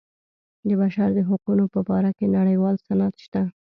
د بشر د حقونو په باره کې نړیوال سند شته.